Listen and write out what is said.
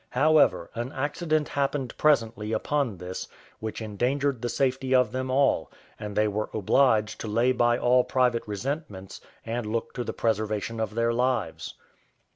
However, an accident happened presently upon this, which endangered the safety of them all, and they were obliged to lay by all private resentments, and look to the preservation of their lives.